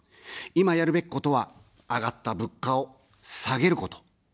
今やるべきことは、上がった物価を下げること。